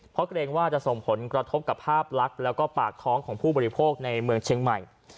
เพราะเกรงว่าจะส่งผลกระทบกับภาพลักษณ์แล้วก็ปากท้องของผู้บริโภคในเมืองเชียงใหม่